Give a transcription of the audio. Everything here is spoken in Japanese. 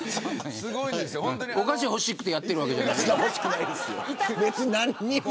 お菓子欲しくてやってるわけじゃないの。